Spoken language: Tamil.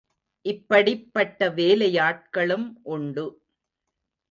இப்படிப்பட்ட வேலையாட்களும் உண்டு.